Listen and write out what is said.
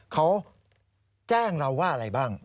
เขาแจ้งเราว่าอะไรบ้าง